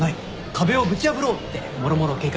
壁をぶち破ろうってもろもろ計画中で。